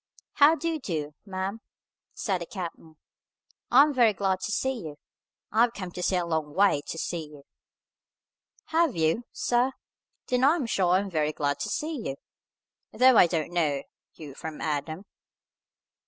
"How do you do, ma'am?" said the captain. "I am very glad to see you. I have come a long way to see you." "Have you, sir? Then I am sure I am very glad to see you, though I don't know you from Adam."